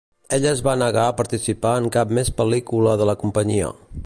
Ella es va negar a participar en cap més pel·lícula de la companyia.